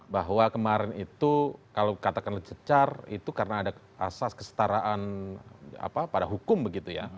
bahwa kemarin itu kalau katakanlah cecar itu karena ada asas kestaraan pada hukum begitu ya